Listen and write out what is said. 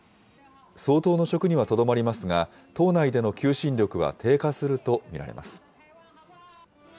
総統の職にはとどまりますが、党内での求心力は低下すると見られます。